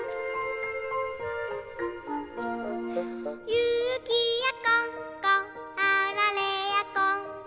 「ゆきやこんこあられやこんこ」